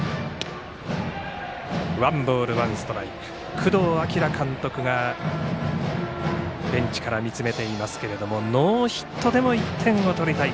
工藤明監督がベンチから見つめていますけれどもノーヒットでも１点を取りたい。